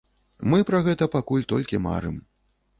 Мы пра гэта пакуль толькі марым.